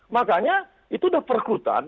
makanya itu udah rekrutan